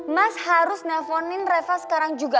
mas harus nelfonin reva sekarang juga